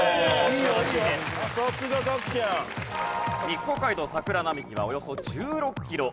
日光街道桜並木はおよそ１６キロ。